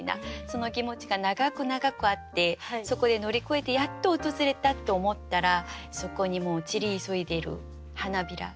その気持ちが永く永くあってそこで乗り越えてやっと訪れたと思ったらそこにもう散り急いでる花びら。